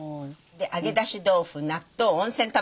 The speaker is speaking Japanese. で揚出し豆腐納豆温泉卵。